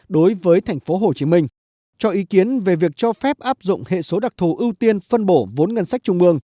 của thành phố hồ chí minh cho ý kiến về việc cho phép áp dụng hệ số đặc thù ưu tiên phân bổ vốn ngân sách trung mương